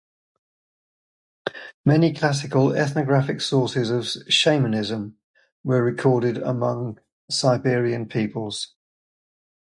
Many classical ethnographic sources of "shamanism" were recorded among Siberian peoples.